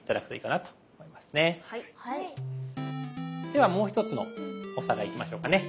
ではもう一つのおさらいいきましょうかね。